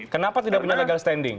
kenapa tidak punya legal standing